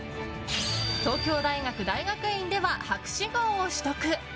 東京大学大学院では博士号を取得。